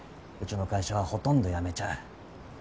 うちの会社はほとんど辞めちゃう